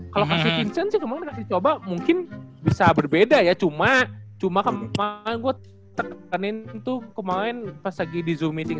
kalo kasih vincent sih kemarin udah dicoba mungkin bisa berbeda ya cuma cuma kemarin gue tekanin tuh kemarin pas lagi di live nya gitu kan